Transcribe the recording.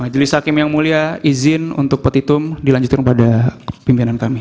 majelis hakim yang mulia izin untuk petitum dilanjutkan kepada pimpinan kami